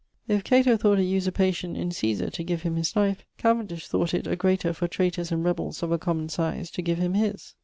If Cato thought it usurpation in Caesar to give him his life, Cavendish thought it a greater for traytors and rebells of a common size to give him his.